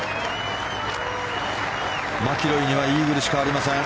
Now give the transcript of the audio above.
マキロイにはイーグルしかありません。